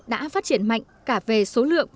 đã phát triển mạnh cả về số lượng